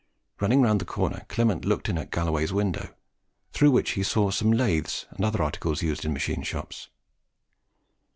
Running round the corner, Clement looked in at Galloway's window, through which he saw some lathes and other articles used in machine shops.